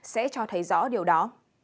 sẽ cho thấy rõ điều đó